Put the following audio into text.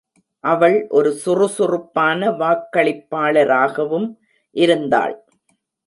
அவள்ஒரு சுறுசுறுப்பான வாக்களிப்பாளராகவும் இருந்தாள்.